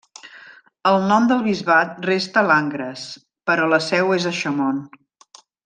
El nom del bisbat resta Langres, però la seu és a Chaumont.